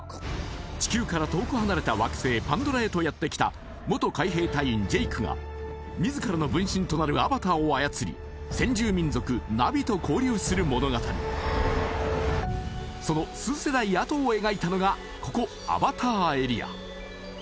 地球から遠く離れた惑星パンドラへとやってきた元海兵隊員ジェイクが自らの分身となるアバターを操り先住民族ナヴィと交流する物語その数世代あとを描いたのがここアバターエリア